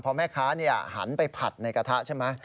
พอแม่ค้าหันไปผัดในกระทะใช่ไหม